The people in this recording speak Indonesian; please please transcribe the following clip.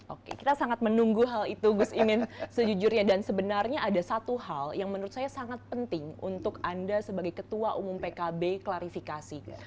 oke kita sangat menunggu hal itu gus imin sejujurnya dan sebenarnya ada satu hal yang menurut saya sangat penting untuk anda sebagai ketua umum pkb klarifikasi